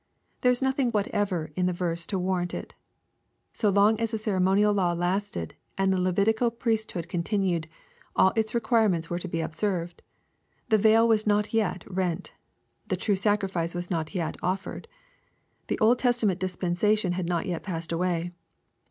There is nothing whatever in the verse to warrant it So long as the ceremonial law lasted, and the Levitical priest* hood continued, all its requirements were to be observed. The veil was not yet rent. The true sacrifice was not yet offered. The Old Testament dispensation had not yet passed away.